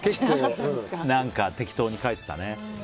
何か適当に書いてたね。